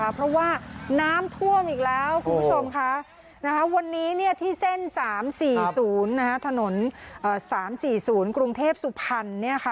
เพราะว่าน้ำท่วมอีกแล้ววันนี้ที่เส้น๓๔๐๓๔๐กรุงเทพศุพร